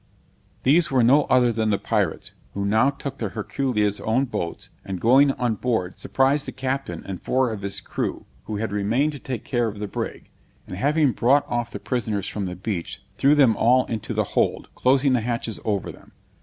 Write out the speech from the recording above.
These were no other than the pirates, who now took the Herculia's own boats, and going on board, surprised the captain and four of his crew, who had remained to take care of the brig; and having brought off the prisoners from the beach, threw them all into the hold, closing the hatches over them.